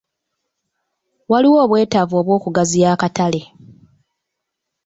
Waliwo obwetaavu bw'okugaziya akatale.